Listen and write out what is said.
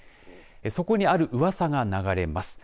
そこに、あるうわさが流れます。